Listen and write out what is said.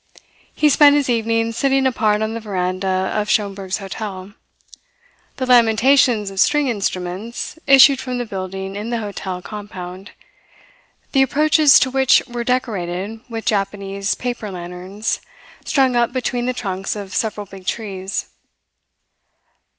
He spent his evenings sitting apart on the veranda of Schomberg's hotel. The lamentations of string instruments issued from the building in the hotel compound, the approaches to which were decorated with Japanese paper lanterns strung up between the trunks of several big trees.